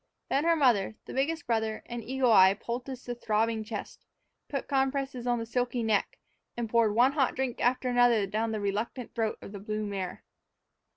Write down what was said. Then her mother, the biggest brother, and Eagle Eye poulticed the throbbing chest, put compresses on the silky neck, and poured one hot drink after another down the reluctant throat of the blue mare.